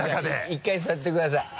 １回座ってください。